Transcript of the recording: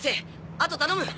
あと頼む。